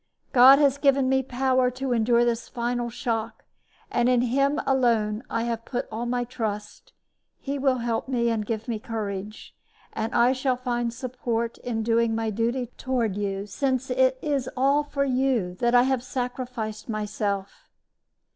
God has given me power to endure this final shock, and in Him alone I have put all my trust. He will help me and give me courage, and I shall find support in doing my duty toward you, since it is all for you that I have sacrificed myself.